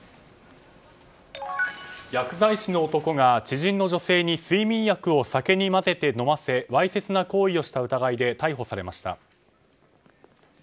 薬剤師の男が知人の女性に睡眠薬を酒に入れて飲ませわいせつ行為をした疑いで逮捕されました。